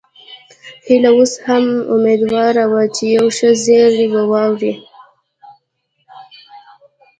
هيله اوس هم اميدواره وه چې یو ښه زیری به واوري